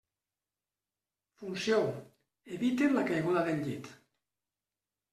Funció: eviten la caiguda del llit.